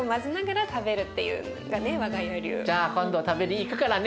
じゃあ今度食べに行くからね。